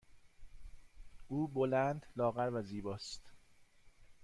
او بلند، لاغر و زیبا است.